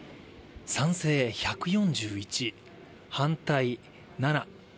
賛成１４１、反対７。